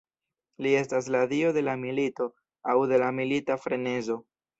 Li estas la dio de la milito aŭ de la milita frenezo.